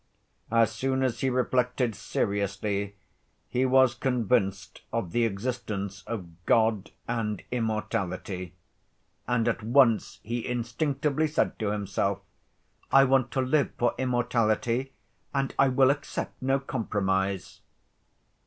As soon as he reflected seriously he was convinced of the existence of God and immortality, and at once he instinctively said to himself: "I want to live for immortality, and I will accept no compromise."